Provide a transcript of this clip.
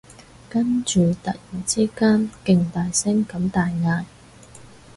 跟住突然之間勁大聲咁大嗌